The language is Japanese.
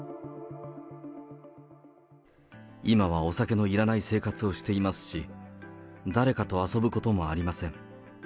今はお酒のいらない生活をしていますし、誰かと遊ぶこともありません。